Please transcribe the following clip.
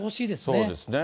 そうですね。